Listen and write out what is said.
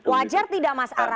wajar tidak mas araf